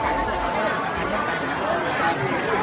การรับความรักมันเป็นอย่างไร